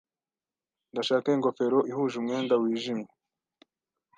Ndashaka ingofero ihuje umwenda wijimye.